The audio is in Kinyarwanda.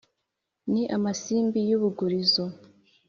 Ni amasimbi y'urubugurizo,